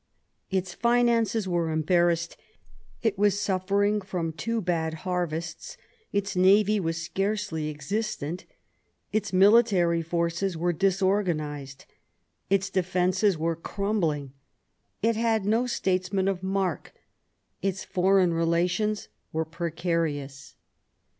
Its finances were embarrassed ;' it was suffering from two bad harvests ; its navy was scarcely existent ; its military forces were disorganised ; its defences were crumbling ; it had no statesmen of mark ; its foreign relations were precarious.